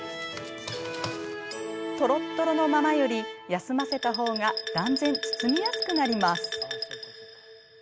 とろっとろのままより休ませたほうが断然包みやすくなります。